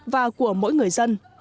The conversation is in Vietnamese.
và của mỗi người dân